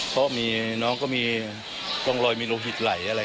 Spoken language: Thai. เพราะมีน้องก็มีร่องรอยมีโลหิตไหลอะไร